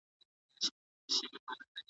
زه به اوږده موده ږغ اورېدلی وم؟